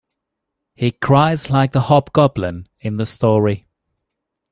He cries like the hobgoblin in the story.